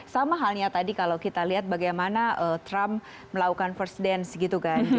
sama halnya tadi kalau kita lihat bagaimana trump melakukan first dance gitu kan